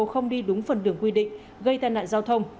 không đi đúng phần đường quy định gây tai nạn giao thông